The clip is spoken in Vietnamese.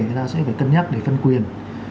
chúng ta sẽ phải cân nhắc để phân quyền